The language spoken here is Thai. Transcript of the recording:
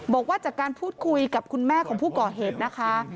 บอกว่าจากการพูดคุยกับคุณแม่ของผู้ก่อเหตุนะคะ